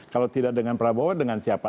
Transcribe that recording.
kalau tidak dengan prabowo dengan siapa